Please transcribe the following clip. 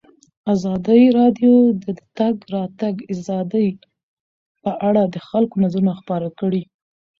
ازادي راډیو د د تګ راتګ ازادي په اړه د خلکو نظرونه خپاره کړي.